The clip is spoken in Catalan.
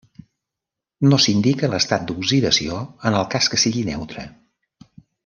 No s'indica l'estat d'oxidació en el cas que sigui neutre.